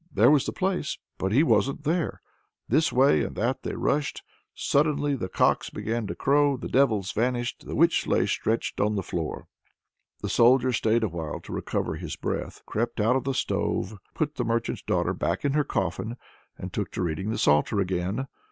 There was the place, but he wasn't there! This way and that they rushed. Suddenly the cocks began to crow, the devils vanished, the witch lay stretched on the floor. The Soldier stayed awhile to recover his breath, crept out of the stove, put the merchant's daughter back in her coffin, and took to reading the psalter again.